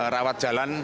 rawat jalan delapan